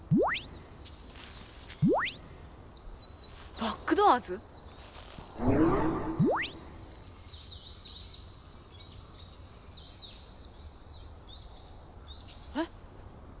バックドアーズ⁉えっ。